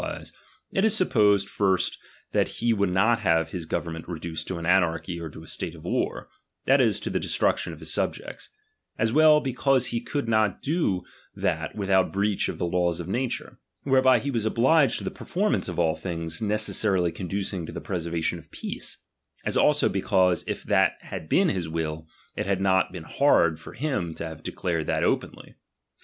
i» wise, it is supposed, first, that he would not have ""iiuCo his government reduced to an anarchy or the ^°°^fj^"^ state of war, that is, to the destruction of his subjects ; as well because he could not do that without breach of the laws of nature, whereby he was obliged to the performance of all things ne cessarily conducing to the preservation of peace ; as also because, if that had been his will, it had not tieen hard for him to have declared that openly.